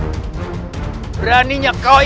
akan saya penuhi